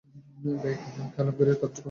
গায়িকা আঁখি আলমগীর তাদের কন্যা।